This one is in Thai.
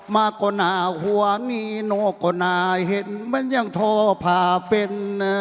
มากกว่านาหัวนี่นอกกว่านาเห็นมันนยังทภาเป็น